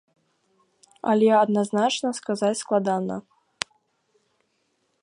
Але адназначна сказаць складана.